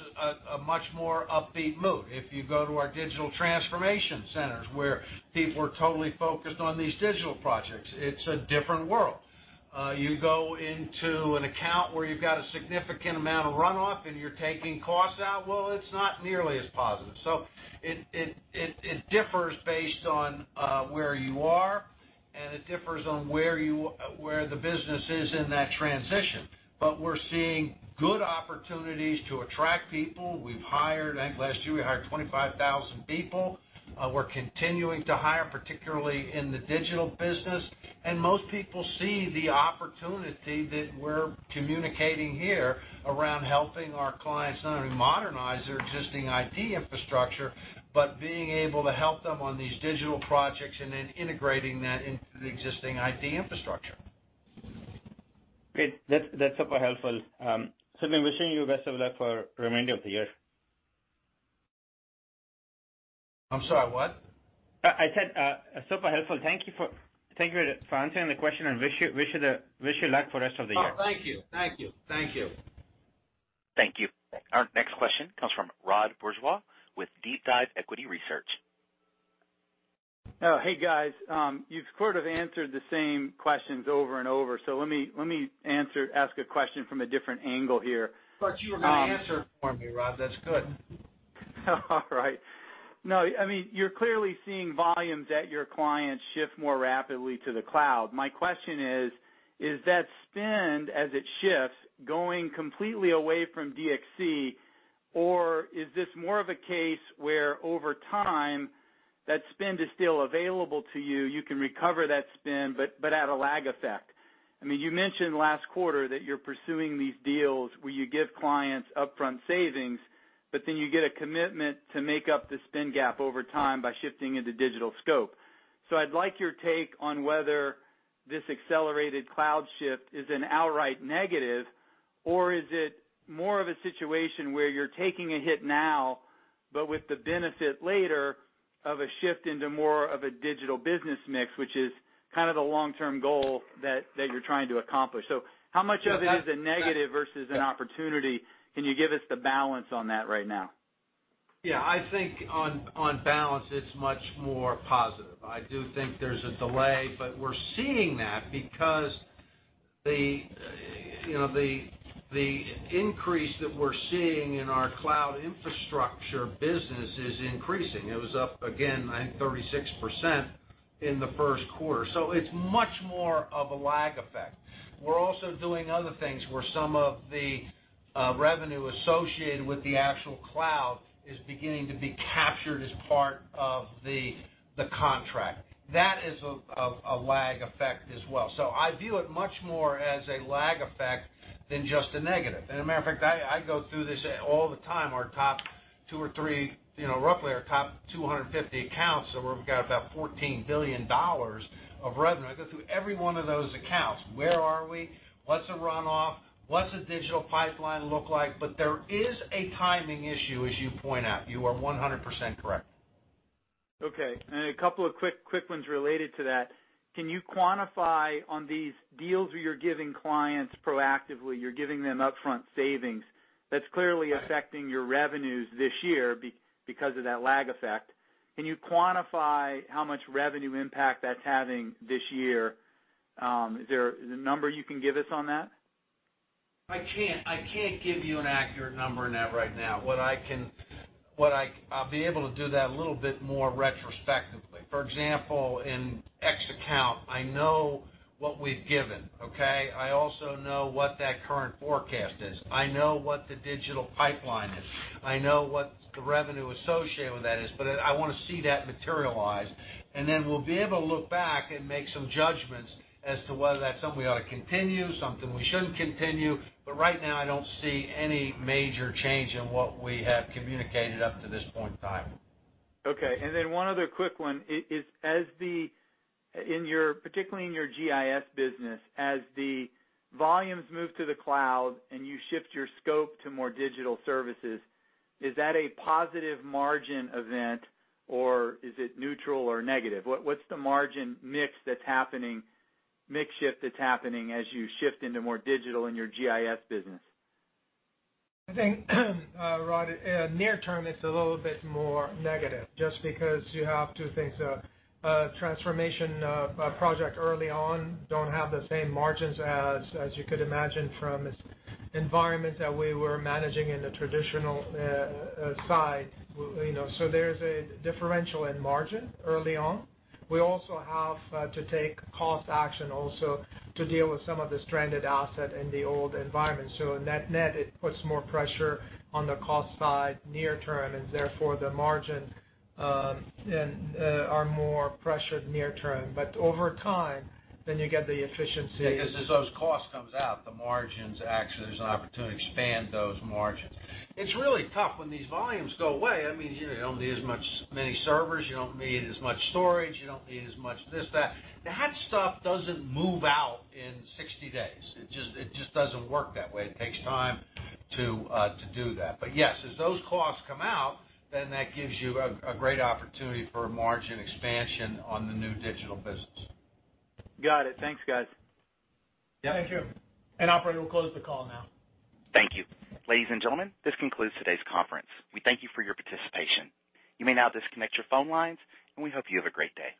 a much more upbeat mood. If you go to our digital transformation centers, where people are totally focused on these digital projects, it's a different world. You go into an account where you've got a significant amount of runoff, and you're taking costs out. It's not nearly as positive. So it differs based on where you are, and it differs on where the business is in that transition. But we're seeing good opportunities to attract people. I think last year, we hired 25,000 people. We're continuing to hire, particularly in the digital business. And most people see the opportunity that we're communicating here around helping our clients not only modernize their existing IT infrastructure, but being able to help them on these digital projects and then integrating that into the existing IT infrastructure. Great. That's super helpful. So I've been wishing you the best of luck for the remainder of the year. I'm sorry. What? I said super helpful. Thank you for answering the question. I wish you luck for the rest of the year. Oh, thank you. Thank you. Thank you. Thank you. Our next question comes from Rod Bourgeois with DeepDive Equity Research. Hey, guys. You've sort of answered the same questions over and over. So let me ask a question from a different angle here. But you were going to answer for me, Rod. That's good. All right. No. I mean, you're clearly seeing volumes at your clients shift more rapidly to the cloud. My question is, is that spend, as it shifts, going completely away from DXC, or is this more of a case where over time, that spend is still available to you? You can recover that spend, but at a lag effect. I mean, you mentioned last quarter that you're pursuing these deals where you give clients upfront savings, but then you get a commitment to make up the spend gap over time by shifting into digital scope. So I'd like your take on whether this accelerated cloud shift is an outright negative, or is it more of a situation where you're taking a hit now, but with the benefit later of a shift into more of a digital business mix, which is kind of the long-term goal that you're trying to accomplish. So how much of it is a negative versus an opportunity? Can you give us the balance on that right now? Yeah. I think on balance, it's much more positive. I do think there's a delay, but we're seeing that because the increase that we're seeing in our cloud infrastructure business is increasing. It was up, again, I think, 36% in the first quarter. So it's much more of a lag effect. We're also doing other things where some of the revenue associated with the actual cloud is beginning to be captured as part of the contract. That is a lag effect as well. So I view it much more as a lag effect than just a negative. And as a matter of fact, I go through this all the time. Our top two or three, roughly our top 250 accounts, we've got about $14 billion of revenue. I go through every one of those accounts. Where are we? What's the runoff? What's the digital pipeline look like? But there is a timing issue, as you point out. You are 100% correct. Okay. And a couple of quick ones related to that. Can you quantify on these deals where you're giving clients proactively, you're giving them upfront savings, that's clearly affecting your revenues this year because of that lag effect? Can you quantify how much revenue impact that's having this year? Is there a number you can give us on that? I can't give you an accurate number on that right now. I'll be able to do that a little bit more retrospectively. For example, in X account, I know what we've given. Okay? I also know what that current forecast is. I know what the digital pipeline is. I know what the revenue associated with that is. But I want to see that materialize. And then we'll be able to look back and make some judgments as to whether that's something we ought to continue, something we shouldn't continue. But right now, I don't see any major change in what we have communicated up to this point in time. Okay. And then one other quick one is, particularly in your GIS business, as the volumes move to the cloud and you shift your scope to more digital services, is that a positive margin event, or is it neutral or negative? What's the margin mix that's happening, mix shift that's happening as you shift into more digital in your GIS business? I think, Rod, near-term, it's a little bit more negative just because you have to think a transformation project early on don't have the same margins as you could imagine from environments that we were managing in the traditional side. So there's a differential in margin early on. We also have to take cost action also to deal with some of the stranded asset in the old environment. So net-net, it puts more pressure on the cost side near-term, and therefore, the margins are more pressured near-term. But over time, then you get the efficiency. Yeah. Because as those costs come out, the margins actually, there's an opportunity to expand those margins. It's really tough when these volumes go away. I mean, you don't need as many servers. You don't need as much storage. You don't need as much this, that. That stuff doesn't move out in 60 days. It just doesn't work that way. It takes time to do that. But yes, as those costs come out, then that gives you a great opportunity for margin expansion on the new digital business. Got it. Thanks, guys. Thank you. And I'll probably close the call now. Thank you. Ladies and gentlemen, this concludes today's conference. We thank you for your participation. You may now disconnect your phone lines, and we hope you have a great day.